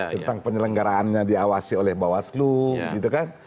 tentang penyelenggaraannya diawasi oleh bawaslu gitu kan